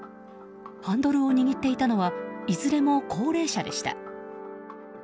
ハンドルを握っていたのはいずれも高齢者でした。